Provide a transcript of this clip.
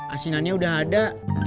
asinannya udah ada